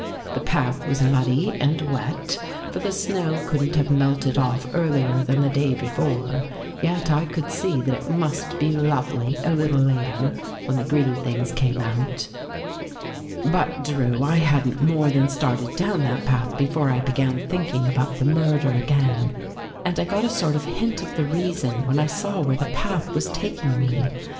The path was muddy and wet, for the snow couldn't have melted off earlier than the day before, yet I could see that it must be lovely a little later when the green things came out. " But, Drew, I hadn't more than started down that path before I began thinking about the murder again and I got a sort of hint of the reason when I saw where the path was taking me.